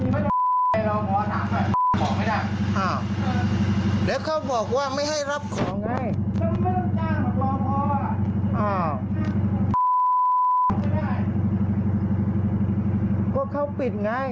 ใช่เขามีท่าที่เนี่ยดูเวลาเขาไม่หยุดอะไปรับของ